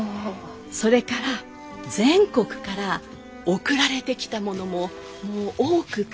それから全国から送られてきたものももう多くって。